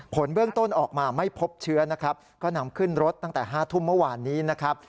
ผลเบื้องต้นออกมาไม่พบเชื้อนะครับก็นำขึ้นรถตั้งแต่๕ทุ่มเมื่อวานนี้นะครับ